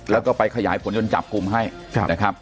แล้วก็ไปขยายผลจนจับกลุ่มให้นะครับ